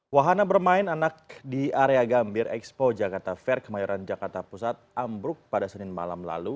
wahana bermain anak di area gambir expo jakarta fair kemayoran jakarta pusat ambruk pada senin malam lalu